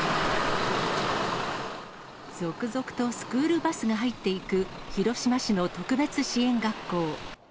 続々とスクールバスが入っていく、広島市の特別支援学校。